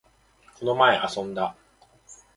この前、遊んだ